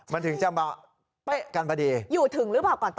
มันถึงจะมาไปกันพอดีอยู่ถึงหรือเปล่าก่อนตอนนั้นน่ะ